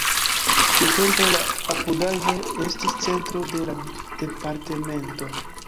Tiutempe la apudaĵo estis centro de la departemento.